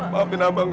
maafin abang juga